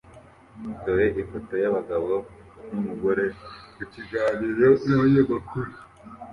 Dore ifoto y'abagabo n'umugore mu kiganiro n'abanyamakuru